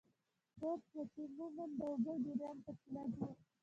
پروت و، چې عموماً د اوبو جریان پکې لږ و.